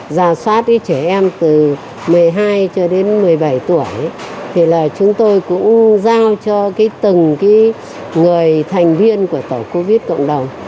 già soát cái trẻ em từ một mươi hai cho đến một mươi bảy tuổi thì là chúng tôi cũng giao cho cái từng cái người thành viên của tổ covid cộng đồng